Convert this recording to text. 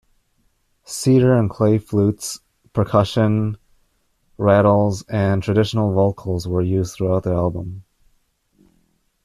Cedar and clay flutes, percussion, rattles, and traditional vocals were used throughout the album.